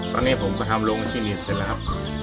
ตอนนี้ผมก็ทำโรงคลินิกเสร็จแล้วครับ